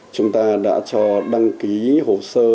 chúng ta đã cho đăng ký hồ sơ